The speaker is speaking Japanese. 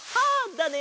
だね！